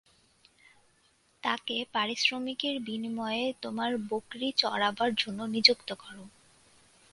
তাকে পারিশ্রমিকের বিনিময়ে তোমার বকরী চরাবার জন্যে নিযুক্ত কর।